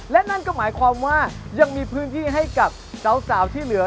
และนั่นก็หมายความว่ายังมีพื้นที่ให้กับสาวที่เหลือ